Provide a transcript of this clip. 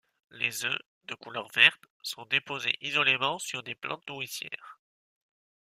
Les œufs, de couleur verte, sont déposés isolément sur des plantes nourricières.